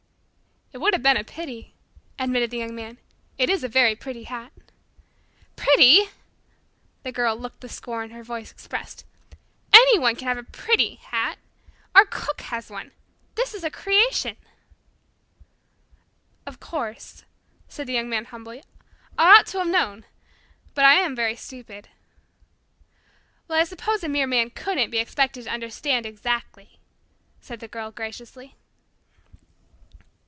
"It would have been a pity," admitted the Young Man. "It is a very pretty hat." "Pretty!" The Girl looked the scorn her voice expressed. "Anyone can have a pretty hat. Our cook has one. This is a creation." "Of course," said the Young Man humbly. "I ought to have known. But I am very stupid." "Well, I suppose a mere man couldn't be expected to understand exactly," said the Girl graciously.